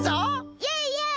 イエイイエイ！